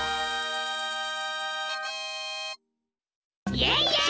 イエイイエイ！